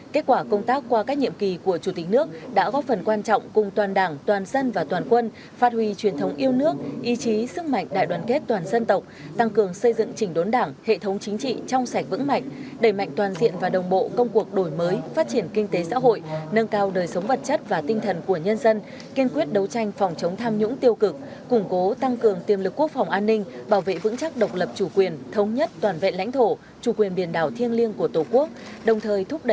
kết quả công tác qua các nhiệm kỳ của chủ tịch nước đã góp phần quan trọng cùng toàn đảng toàn dân và toàn quân phát huy truyền thống yêu nước ý chí sức mạnh đại đoàn kết toàn dân tộc tăng cường xây dựng chỉnh đốn đảng hệ thống chính trị trong sạch vững mạnh đẩy mạnh toàn diện và đồng bộ công cuộc đổi mới phát triển kinh tế xã hội nâng cao đời sống vật chất và tinh thần của nhân dân kiên quyết đấu tranh phòng chống tham nhũng tiêu cực củng cố tăng cường tiêm lực quốc phòng an ninh bảo vệ vững chắc độc l